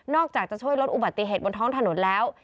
อกจากจะช่วยลดอุบัติเหตุบนท้องถนนแล้ว